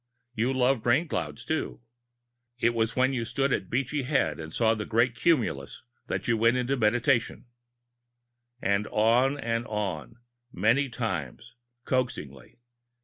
You loved Rainclouds, too. It was when you stood at Beachy Head and saw a great cumulus that you went into Meditation " And on and on, many times, coaxingly.